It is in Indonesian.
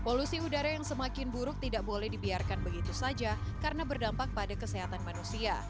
polusi udara yang semakin buruk tidak boleh dibiarkan begitu saja karena berdampak pada kesehatan manusia